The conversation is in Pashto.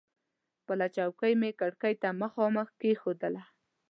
خپله چوکۍ مې کړکۍ ته مخامخ کېښودله.